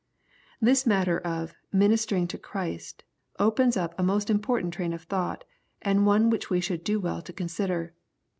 This matter of ^ ministering to Christ" opens up a most important train of thought, and one which we shall do well to consider.